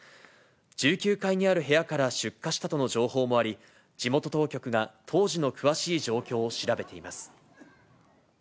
１９階にある部屋から出火したとの情報もあり、地元当局が、当時の詳しい状況を調べています。